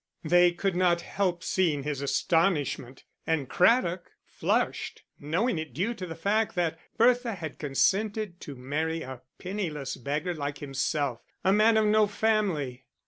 They could not help seeing his astonishment, and Craddock flushed, knowing it due to the fact that Bertha had consented to marry a penniless beggar like himself, a man of no family.